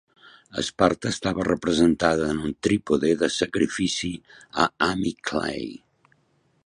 Esparta estava representada en un trípode de sacrifici a Amyclae.